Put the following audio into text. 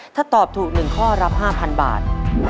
ถ้าตอบถูก๑ข้อรับ๕๐๐บาท